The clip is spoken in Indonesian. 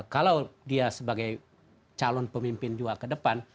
kalau dia sebagai calon pemimpin juga ke depan